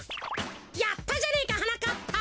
やったじゃねえかはなかっぱ！